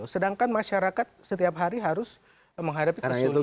sedangkan masyarakat setiap hari harus menghadapi kesulitan